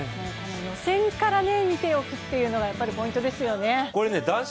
予選から見ておくというのがポイントですよね。